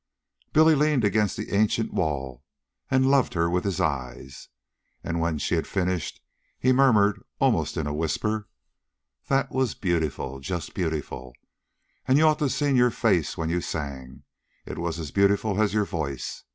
Billy leaned against the ancient wall and loved her with his eyes, and, when she had finished, he murmured, almost in a whisper: "That was beautiful just beautiful. An' you ought to a seen your face when you sang. It was as beautiful as your voice.